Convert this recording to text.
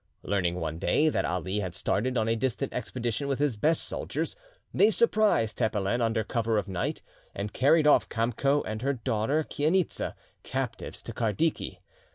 Learning one day that Ali had started on a distant expedition with his best soldiers; they surprised Tepelen under cover of night, and carried off Kamco and her daughter Chainitza captives to Kardiki.